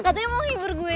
katanya mau hibur gue